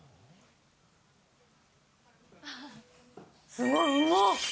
すごい、うまっ。